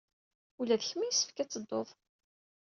Ula d kemm yessefk ad teddud!